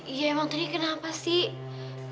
eh ya emang tadi kenapa sih